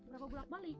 berapa bulat balik